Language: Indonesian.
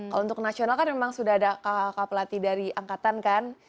kalau untuk nasional kan memang sudah ada kakak kakak pelatih dari angkatan kan